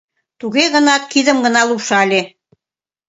Туге гынат кидым гына лупшале.